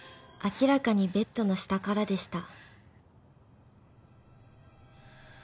［明らかにベッドの下からでした］